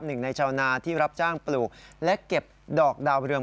หนึ่งในชาวนาที่รับจ้างปลูกและเก็บดอกดาวเรือง